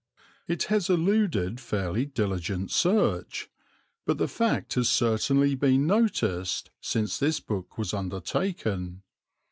It has eluded fairly diligent search; but the fact has certainly been noticed since this book was undertaken.